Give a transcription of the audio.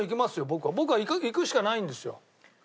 僕はいくしかないんですよ。